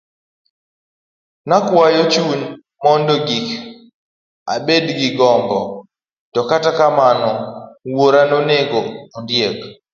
Nakwayo chunya mondo gik abed gi gombo, to kata kamano wuoro nonego ondiek.